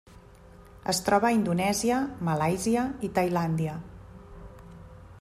Es troba a Indonèsia, Malàisia i Tailàndia.